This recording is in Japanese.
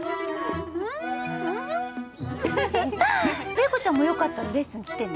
怜子ちゃんもよかったらレッスン来てね。